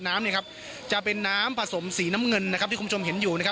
น้ำเนี้ยครับจะเป็นน้ำผสมสีน้ำเงินนะครับ